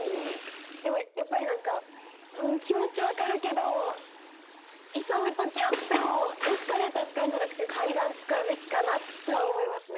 でもやっぱり何かうん気持ち分かるけど急ぐ時あってもエスカレーター使うんじゃなくて階段使うべきかなとは思いますね。